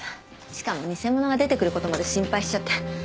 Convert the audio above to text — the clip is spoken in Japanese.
しかも偽者が出てくることまで心配しちゃって。